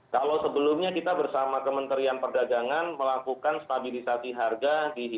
kalau sebelumnya kita bersama kementerian perdagangan melakukan stabilisasi harga